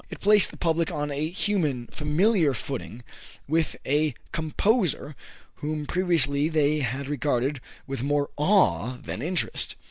It placed the public on a human, familiar footing with a composer whom previously they had regarded with more awe than interest.